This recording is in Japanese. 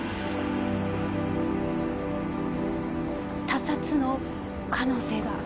他殺の可能性が。